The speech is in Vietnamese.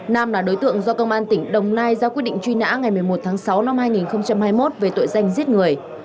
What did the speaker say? nam là đối tượng do công an tỉnh đồng nai ra quyết định truy nã ngày một mươi một tháng sáu năm hai nghìn hai mươi một về tội danh giết người